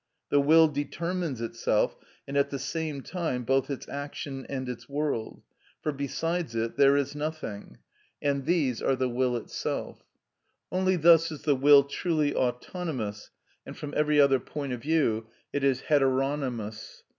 The will determines itself, and at the same time both its action and its world; for besides it there is nothing, and these are the will itself. Only thus is the will truly autonomous, and from every other point of view it is heteronomous.